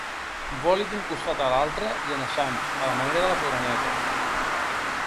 Voli d'un costat a l'altre i en eixams, a la manera de les orenetes.